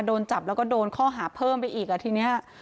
โดนจับแล้วก็โดนข้อหาเพิ่มไปอีกอ่ะทีนี้